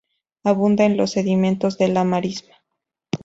Abundan en los sedimentos de las marismas.